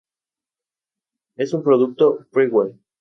Se distribuye por Alabama en los Estados Unidos.